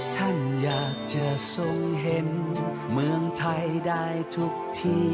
ท่านอยากจะทรงเห็นเมืองไทยได้ทุกที